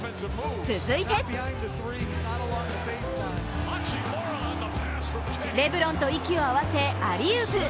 続いてレブロンと息を合わせアリウープ。